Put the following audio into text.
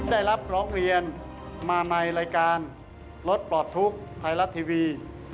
ได้รับร้องเรียนมาในรายการรถปลดทุกข์ไทยรัฐทีวี